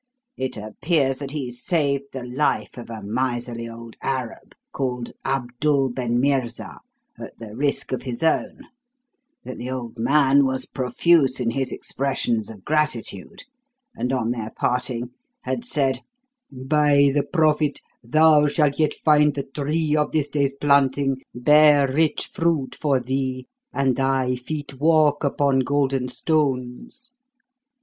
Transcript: It appears that he saved the life of a miserly old Arab called Abdul ben Meerza at the risk of his own; that the old man was profuse in his expressions of gratitude, and, on their parting, had said: 'By the Prophet, thou shalt yet find the tree of this day's planting bear rich fruit for thee and thy feet walk upon golden stones.'